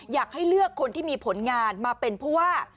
อยากให้เลือกคนที่มีผลงานมาเป็นผู้ว่า